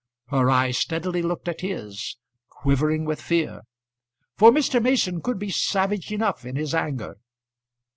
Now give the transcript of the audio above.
Her eye steadily looked at his, quivering with fear; for Mr. Mason could be savage enough in his anger.